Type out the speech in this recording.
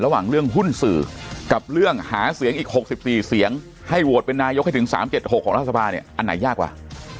ระหว่างเรื่องหุ้นสื่อกับเรื่องหาเสียงอีก๖๔เสียงให้โหวตเป็นนายกให้ถึง๓๗๖ของรัฐสภาเนี่ยอันไหนยากกว่า